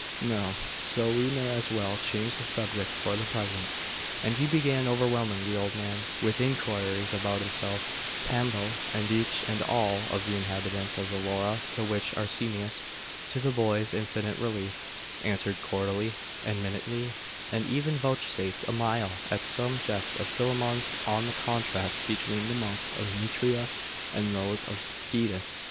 'No. So we may as well change the subject for the present,' and he began overwhelming the old man with inquiries about himself, Pambo, and each and all of the inhabitants of the Laura to which Arsenius, to the boy's infinite relief, answered cordially and minutely, and even vouchsafed a smile at some jest of Philammon's on the contrast between the monks of Nitria and those of Scetis.